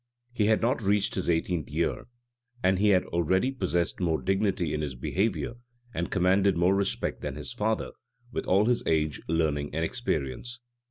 He had not reached his eighteenth year, and he already possessed more dignity in his behavior, and commanded more respect, than his father, with all his age, learning, and experience.